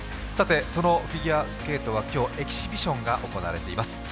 そのフィギュアスケートは今日エキシビションが行われています。